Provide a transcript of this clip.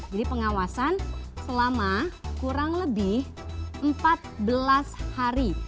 jadi pengawasan selama kurang lebih empat belas hari